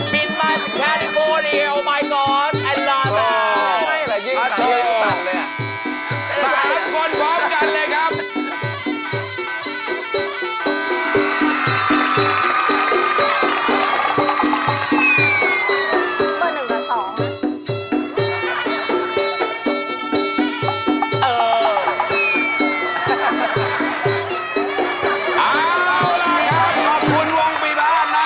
มินไซค์แวรินโพรีโอ้มายก๊อด